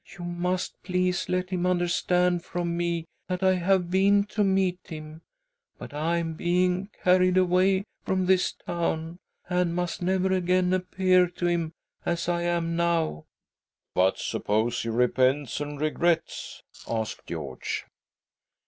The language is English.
You must please let him understand from me that I have been to meet him, but I am being carried away from this town, and must never again appear to him as I am now." " But suppose he repents and regrets ?" asked George.